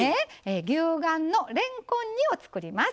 牛丸のれんこん煮を作ります。